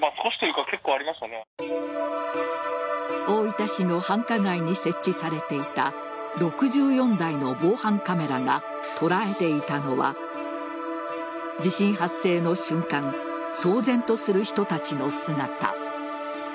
大分市の繁華街に設置されていた６４台の防犯カメラが捉えていたのは地震発生の瞬間騒然とする人たちの姿。